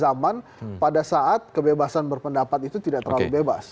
kita tidak lagi kembali ke zaman pada saat kebebasan berpendapat itu tidak terlalu bebas